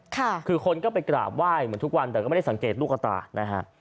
ค่ะคือคนก็ไปกราบไหว้เหมือนทุกวันแต่ก็ไม่ได้สังเกตลูกตานะฮะ